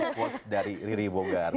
quotes dari riri bogar